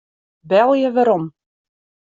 Belje werom.